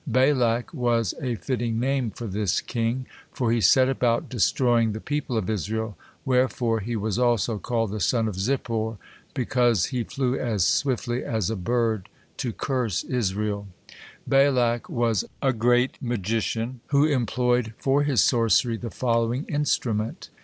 Balak was a fitting name for this king, for he set about destroying the people of Israel, wherefore he was also called the son of Zippor, because he flew as swiftly as a bird to curse Israel. Balak was a great magician, who employed for his sorcery the following instrument.